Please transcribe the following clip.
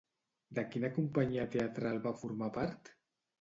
De quina companyia teatral va formar part?